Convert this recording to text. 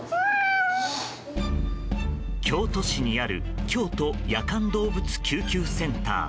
京都市にある京都夜間動物救急センター。